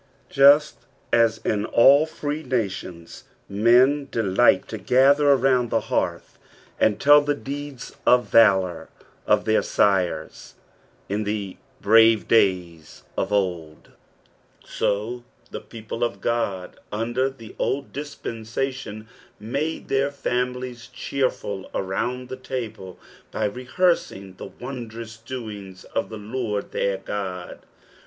Just us in all free nations men delight to gather around ,glc 834 zxposrnoKS of the pbalhs. the hearth, and tell the deeds of T&lour of their nres " in the hrsTC daja of old," ■o the people of Ood under the old dispeoBatinn made their fauiiliea cheerful itround the table, by reheaning the vondroui doines of the Lord th«ir God.